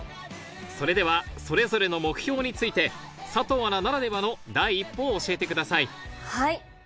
それではそれぞれの目標について佐藤アナならではの第一歩を教えてくださいはい。